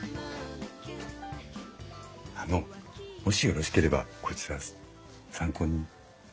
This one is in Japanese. あのもしよろしければこちら参考に。